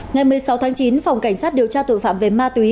ngày một mươi sáu tháng chín phòng cảnh sát điều tra tội phạm về ma túy